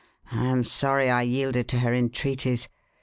I am sorry I yielded to her entreaties.